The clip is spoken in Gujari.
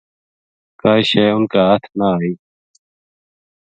کائی شے اِنھ کے ہتھ نہ آئی